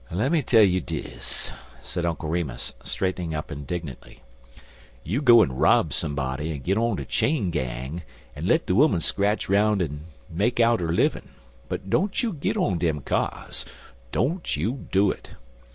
"Lemme tell you dis," said Uncle Remus, straightening up indignantly: "you go an' rob somebody an' git on de chain gang, an' let de 'oman scratch 'roun' yer an' make 'er livin'; but don't you git on dem kyars don't you do it.